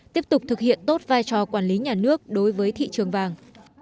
tiếp tục thực hiện tốt vai trò quản lý nhà nước đối với thị trường vàng